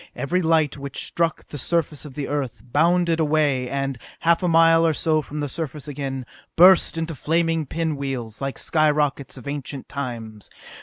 Eery lights which struck the surface of the Earth, bounded away and, half a mile or so from the surface again, burst into flaming pin wheels, like skyrockets of ancient times.